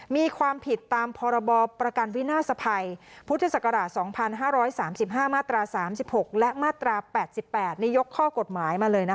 มีความผิดตามพบประกันวินาศภัยพศ๒๕๓๕มาตรา๓๖และมาตรา๘๘ในยกข้อกฎหมายมาเลยนะคะ